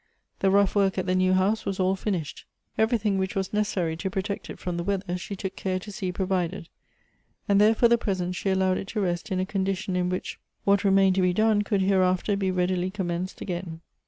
The rough work at the n^w house was all finished. Everything which was necessary to pro tect it from the weather she took care to see provided, and there for the present she allowed it to rest in a con dition in which what remained to be done could hereafter be readily commenced again.